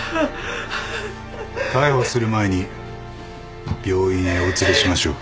逮捕する前に病院へお連れしましょう。